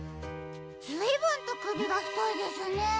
ずいぶんとくびがふといですね。